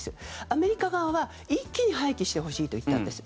アメリカ側は一気に廃棄してほしいと言ったんです。